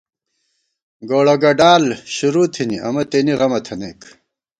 گوڑہ گڈال شروع تھنی، امہ تېنے غمہ تھنَئیک